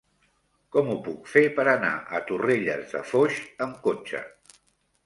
Com ho puc fer per anar a Torrelles de Foix amb cotxe?